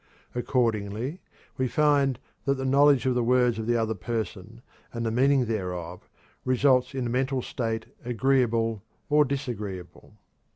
Accordingly we find that the knowledge of the words of the other person and the meaning thereof results in a mental state agreeable or disagreeable.